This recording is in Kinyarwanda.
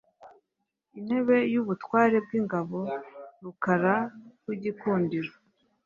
Intebe y’ubutware bw’ ingabo Rukara rw’igikundiro,